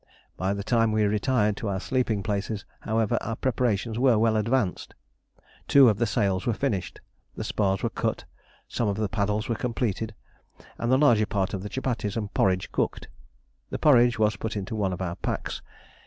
By the time we retired to our sleeping places, however, our preparations were well advanced. Two of the sails were finished, the spars were cut, some of the paddles were completed, and the larger part of the chupatties and porridge cooked. The porridge was put into one of our packs.